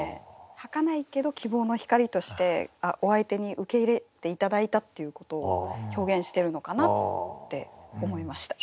はかないけど希望の光としてお相手に受け入れて頂いたっていうことを表現してるのかなって思いました。